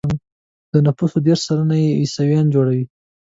د نفوسو دېرش سلنه يې عیسویان جوړوي.